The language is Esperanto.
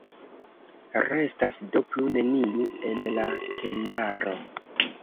Restas do plu neniu en la tendaro!